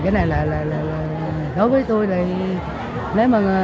với một vai trò của địa phương